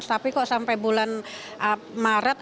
tapi kok sampai bulan maret